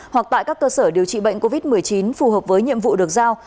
hoặc tại các cơ sở điều trị bệnh covid một mươi chín phù hợp với nhiệm vụ được giao